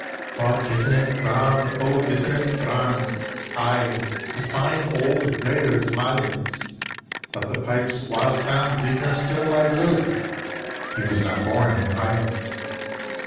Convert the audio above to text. "But isn't it grand? O, isn't it grand?" "Ay, a fine auld player is Mylands, But the pipes' wild sound disna stir my bluid" He was not born in the highlands.